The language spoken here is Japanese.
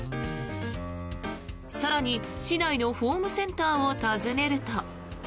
更に、市内のホームセンターを訪ねると。